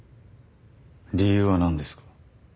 理由は何ですか？